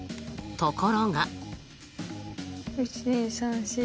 ところが。